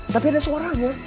tapi ada suaranya